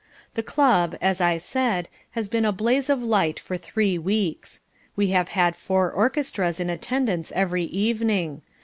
The club, as I said, has been a blaze of light for three weeks. We have had four orchestras in attendance every evening.